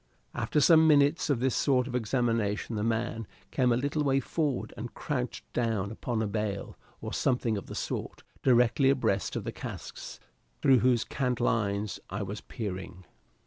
After some minutes of this sort of examination, the man, came a little way forward and crouched down upon a bale or something of the sort directly abreast of the casks, through whose cant lines I was peering.